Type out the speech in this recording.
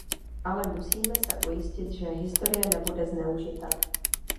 Ale musíme se ujistit, že historie nebude zneužita.